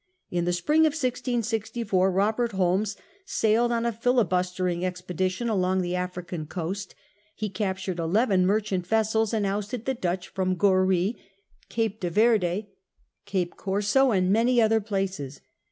In the spring of 1664 Robert Holmes sailed on a filibustering expedition along the African coast ; he captured eleven merchant vessels, and ousted the Dutch from Goree, Cape de Verde, Cape Corso, and many Grievances other places.